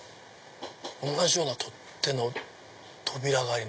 同じような取っ手の扉があります。